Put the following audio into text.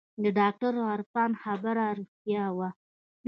د ډاکتر عرفان خبره رښتيا وه.